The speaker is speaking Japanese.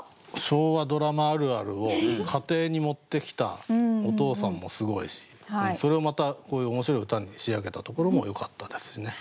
昭和ドラマあるあるを家庭に持ってきたお父さんもすごいしそれをまたこういう面白い歌に仕上げたところもよかったですしね。